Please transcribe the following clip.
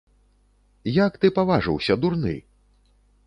Як ты паважыўся, дурны?